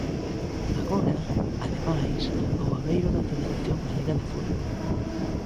Agora, ademais, ao abeiro da Federación Galega de Fútbol.